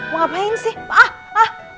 mau ngapain sih